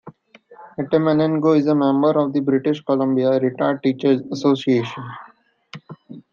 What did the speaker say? Atamanenko is a member of the British Columbia Retired Teachers Association.